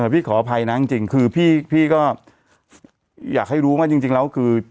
พี่ขออภัยนะจริงคือพี่ก็อยากให้รู้ว่าจริงแล้วคือ